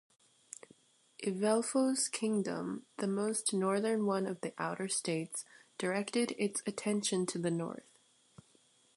Evelfo’s Kingdom, the most northern one of the outer states, directed its attention to the north.